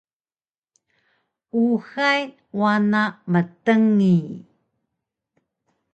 Uxay wana mtngi